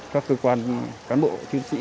các cơ quan cán bộ chiến sĩ